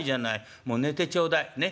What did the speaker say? もう寝てちょうだいねっ